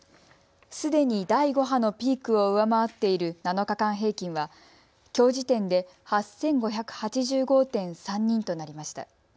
すでに第５波のピークを上回っている７日間平均はきょう時点で８５８５．３人となりました。